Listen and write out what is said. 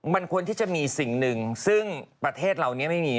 มันควรที่จะมีสิ่งหนึ่งซึ่งประเทศเราเนี่ยไม่มี